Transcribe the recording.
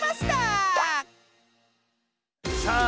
さあ